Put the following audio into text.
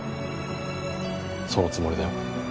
そのつもりだよ。